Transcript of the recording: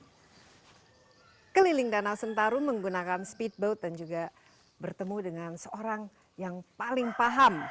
saya keliling danau sentarum menggunakan speedboat dan juga bertemu dengan seorang yang paling paham